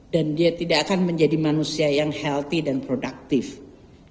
dan dia tidak akan menjadi manusia yang healthy dan productive